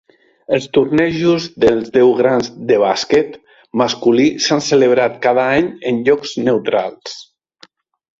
Els tornejos dels Deu Grans de bàsquet masculí s'han celebrat cada any en llocs neutrals.